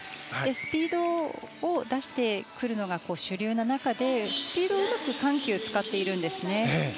スピードを出してくるのが主流の中でスピードを、うまく緩急を使っているんですね。